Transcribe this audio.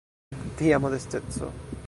Tia modesteco!